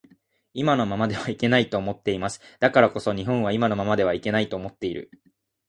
今のままではいけないと思っています。だからこそ日本は今のままではいけないと思っている